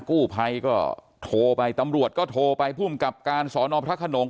กู้ภัยก็โทรไปตำรวจก็โทรไปภูมิกับการสอนอพระขนง